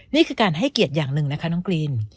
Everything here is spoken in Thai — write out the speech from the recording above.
นี่คือการให้เกียรติอย่างหนึ่งนะคะน้องกรีน